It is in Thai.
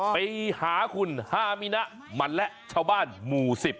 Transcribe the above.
ไปหาขุนห้ามินะมันและชาวบ้านหมู่สิบ